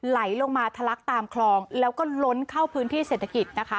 ไหลลงมาทะลักตามคลองแล้วก็ล้นเข้าพื้นที่เศรษฐกิจนะคะ